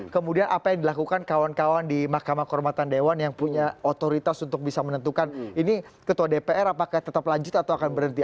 kemudian apa yang dilakukan kawan kawan di mahkamah kehormatan dewan yang punya otoritas untuk bisa menentukan ini ketua dpr apakah tetap lanjut atau akan berhenti